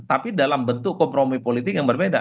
tapi dalam bentuk kompromi politik yang berbeda